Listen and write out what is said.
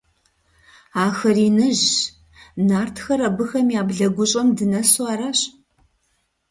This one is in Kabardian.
Ахэр иныжьщ. Нартхэр абыхэм я блэгущӀэм дынэсу аращ.